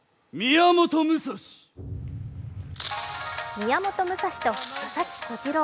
宮本武蔵と佐々木小次郎。